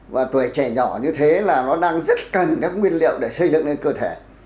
và tuổi trẻ nhỏ như thế là nó đang rất cần các nguyên liệu để xây dựng lên cơ thể